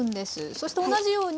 そして同じように。